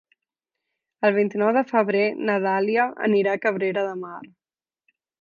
El vint-i-nou de febrer na Dàlia anirà a Cabrera de Mar.